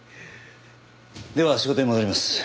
では仕事に戻ります。